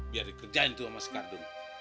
biar dikerjain tuh ama si kardun